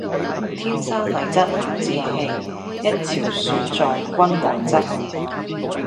天生麗質難自棄，一朝選在君王側。